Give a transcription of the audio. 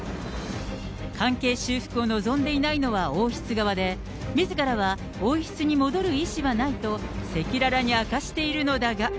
関係修復を望んでいないのは王室側で、みずからは王室に戻る意思はないと赤裸々に明かしているのだが。